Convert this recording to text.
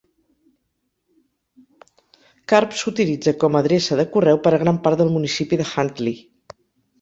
Carp s'utilitza com a adreça de correu per a gran part del municipi de Huntley.